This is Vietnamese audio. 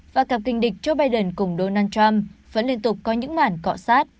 và cặp kinh địch joe biden cùng donald trump vẫn liên tục có những mản cọ sát